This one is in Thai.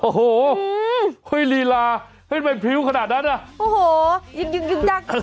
โอ้โหเฮ้ยลีลาไม่ใช่มันผิวขนาดนั้นนะโอ้โหยึกยึกยึกยักยึกยึกยึกยึกยัก